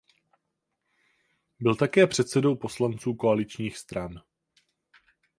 Byl také předsedou poslanců koaličních stran.